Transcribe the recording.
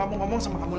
ini penting banget mil